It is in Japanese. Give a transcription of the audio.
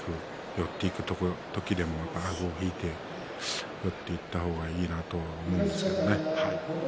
寄っていく時でもあごを引いて寄っていった方がいいなと思うんですけどね。